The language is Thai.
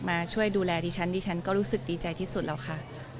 มาช่วยดูแลดิฉันดิฉันก็รู้สึกดีใจที่สุดแล้วค่ะ